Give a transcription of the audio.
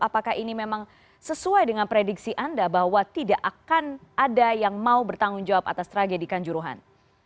apakah ini memang sesuai dengan prediksi anda bahwa tidak akan ada yang mau bertanggung jawab atas tragedi kanjuruhan